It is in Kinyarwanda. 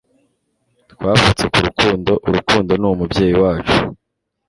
twavutse ku rukundo; urukundo ni umubyeyi wacu